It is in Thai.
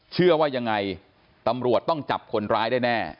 เชื่อว่ายังไงตำรวจต้องจับคนร้ายได้แน่